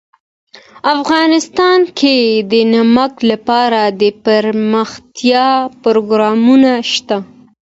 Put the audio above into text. افغانستان کې د نمک لپاره دپرمختیا پروګرامونه شته.